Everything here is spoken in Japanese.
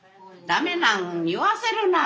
だめなんに言わせるな！